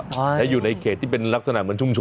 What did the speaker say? ใช่แล้วอยู่ในเขตที่เป็นลักษณะเหมือนชุมชน